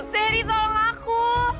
teri tolong aku